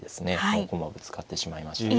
もう駒ぶつかってしまいました。